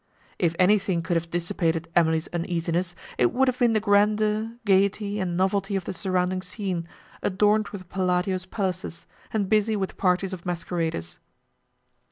If anything could have dissipated Emily's uneasiness, it would have been the grandeur, gaiety, and novelty of the surrounding scene, adorned with Palladio's palaces, and busy with parties of masqueraders.